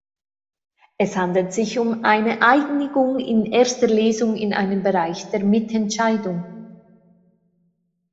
Es handelt sich um eine Einigung in erster Lesung in einem Bereich der Mitentscheidung.